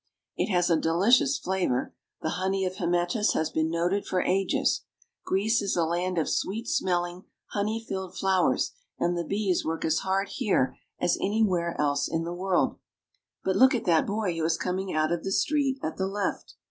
It has a delicious flavor ; the honey of Hymettus has been noted for ages. Greece is a land of sweet smelling, honey filled flowers, and the bees work as hard here as anywhere else in the world. But look at the boy who is coming out of the street at the left